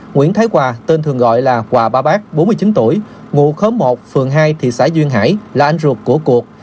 nguyễn thái hòa tên thường gọi là quà ba bác bốn mươi chín tuổi ngụ khóm một phường hai thị xã duyên hải là anh ruột của cuộc